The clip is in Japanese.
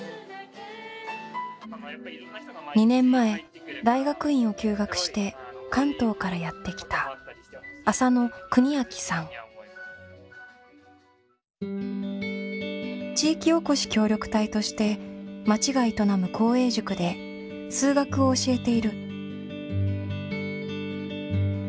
２年前大学院を休学して関東からやって来た地域おこし協力隊として町が営む公営塾で数学を教えている。